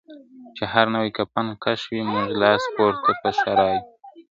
چي هر نوی کفن کښ وي موږ لاس پورته په ښرا یو ..